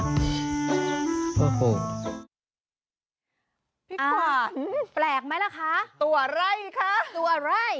พี่ขวัญแปลกไหมล่ะคะตัวไร่คะตัวไร่